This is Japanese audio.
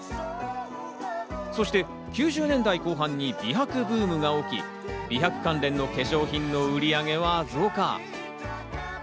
そして９０年代後半に美白ブームが起き、美白関連の化粧品の売り上げは増加。